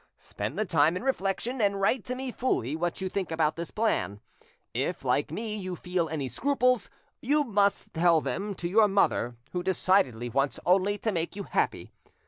Spend the time in reflection, and write to me fully what you think about this plan. If, like me, you feel any scruples, you must tell them to your mother, who decidedly wants only to make you happy.